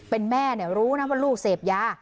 เป็นแม่รู้นะว่าลูกเสพยา